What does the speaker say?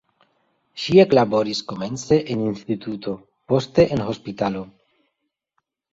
Ŝi eklaboris komence en instituto, poste en hospitalo.